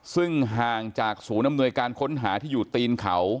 ซึ่งห่างจากศูนย์อำนวยการค้นหาที่อยู่ตีนเขา